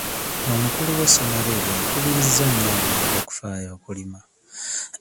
Omukulu w'essomero eryo akubirizza nnyo abantu okufaayo okulima.